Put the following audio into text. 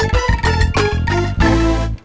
gimana mau diancam